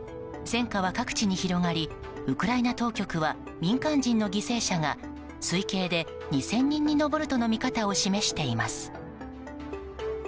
戦火は各地に広がりウクライナ当局は民間人の犠牲者が推計で２０００人に上るとの見方を示しています。